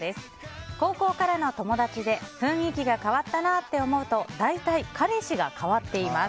高校からの友達で雰囲気が変わったなと思うと大体、彼氏が変わっています。